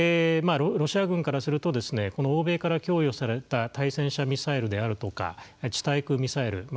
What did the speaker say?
ロシア軍からするとこの欧米から供与された対戦車ミサイル地対空ミサイル